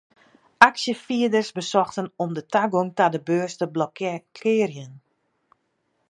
Aksjefierders besochten om de tagong ta de beurs te blokkearjen.